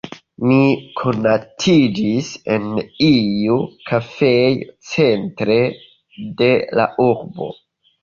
Ni konatiĝis en iu kafejo centre de la urbo.